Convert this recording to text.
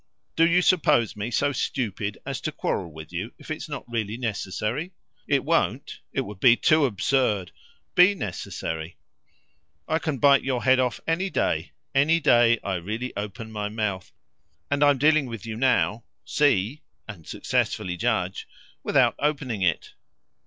Do you suppose me so stupid as to quarrel with you if it's not really necessary? It won't it would be too absurd! BE necessary. I can bite your head off any day, any day I really open my mouth; and I'm dealing with you now, see and successfully judge without opening it.